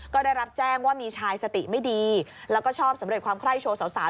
ก็ได้รับแจ้งว่ามีชายสติไม่ดีแล้วก็ชอบสำเร็จความไคร้โชว์สาว